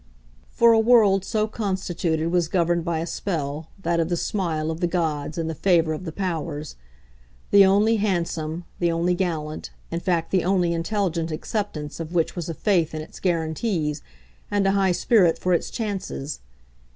For a world so constituted was governed by a spell, that of the smile of the gods and the favour of the powers; the only handsome, the only gallant, in fact the only intelligent acceptance of which was a faith in its guarantees and a high spirit for its chances.